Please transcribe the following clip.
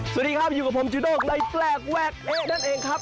สวัสดีครับอยู่กับผมจูด้งในแปลกแวกเอ๊ะนั่นเองครับ